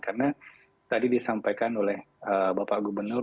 karena tadi disampaikan oleh bapak gubernur